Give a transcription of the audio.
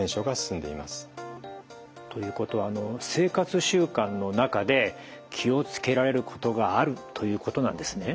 ということは生活習慣の中で気を付けられることがあるということなんですね。